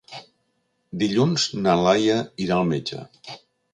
Dilluns na Laia irà al metge.